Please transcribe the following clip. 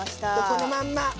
このまんま。